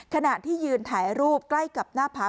ขณะที่ยืนถ่ายรูปใกล้กับหน้าพัก